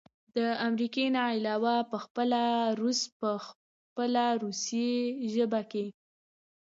د امريکې نه علاوه پخپله روس په خپله روسۍ ژبه کښې